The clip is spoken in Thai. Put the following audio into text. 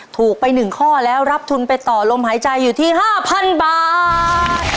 ถูกไปหนึ่งข้อแล้วรับทุนไปต่อลมหายใจอยู่ที่ห้าพันบาท